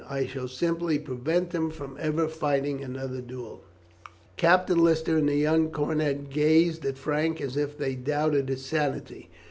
I shall simply prevent him from ever fighting another duel." Captain Lister and the young cornet gazed at Frank as if they doubted his sanity.